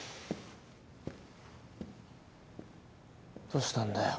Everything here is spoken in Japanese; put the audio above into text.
どうしたんだよ。